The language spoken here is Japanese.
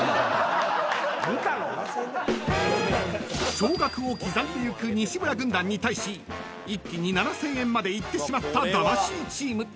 ［少額を刻んでゆく西村軍団に対し一気に７，０００円までいってしまった魂チーム］